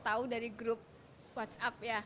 tahu dari grup whatsapp